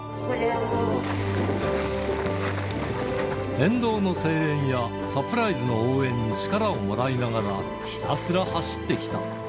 沿道の声援や、サプライズの応援に力をもらいながら、ひたすら走ってきた。